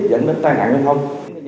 dẫn đến tai nạn giao thông